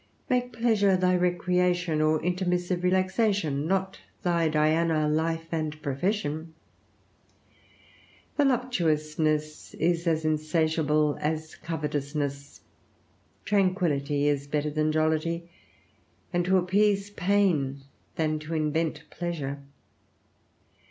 Make pleasure thy recreation or intermissive relaxation, not thy Diana, life, and profession. Voluptuousness is as insatiable as covetousness. Tranquillity is better than jollity, and to appease pain than to invent pleasure.